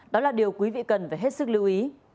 đó là điều quý vị cần phải hết sức lưu ý